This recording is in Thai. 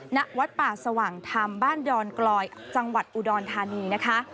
ณวัดป่าสว่างธรรมบ้านดอนกลอยจังหวัดอุดรธานีนะคะ